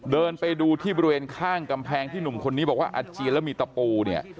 เดินไปดูที่บริเวณข้างกำแพงที่หนุ่มคนนี้บอกว่าอาเจียนแล้วมีตะปูเนี่ย